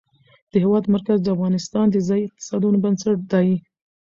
د هېواد مرکز د افغانستان د ځایي اقتصادونو بنسټ دی.